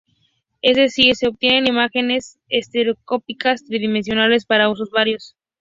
Es decir, se obtienen imágenes estereoscópicas, tridimensionales, para usos varios.